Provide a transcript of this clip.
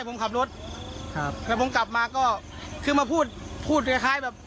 ผมขับรถครับแล้วผมกลับมาก็คือมาพูดพูดคล้ายคล้ายแบบ